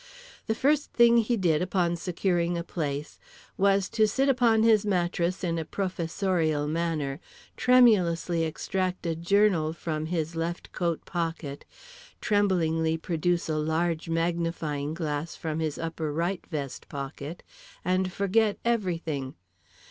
The first thing he did, upon securing a place, was to sit upon his mattress in a professorial manner, tremulously extract a journal from his left coat pocket, tremblingly produce a large magnifying glass from his upper right vest pocket, and forget everything.